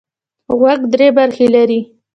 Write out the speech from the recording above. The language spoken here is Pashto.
غوږ درې برخې لري.